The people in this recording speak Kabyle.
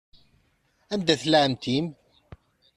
Anda tella ɛemmti-m?